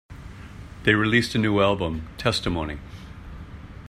They released a new album, "Testimony".